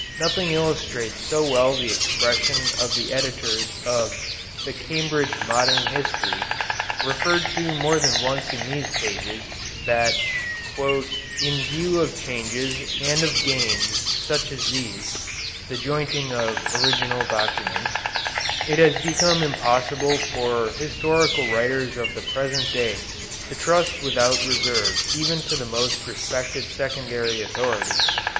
Nothing illustrates so well the expression of the editors of the "Cambridge Modern History" referred to more than once in these pages that "in view of changes and of gains such as these [the jointing of original documents] it has become impossible for historical writers of the present day to trust without reserve even to the most respected secondary authority.